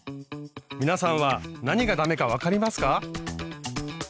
皆さんは何が駄目か分かりますか？